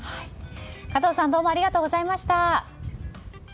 加藤さんどうもありがとうございました。